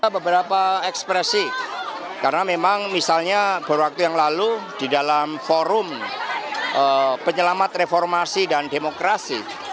beberapa ekspresi karena memang misalnya beberapa waktu yang lalu di dalam forum penyelamat reformasi dan demokrasi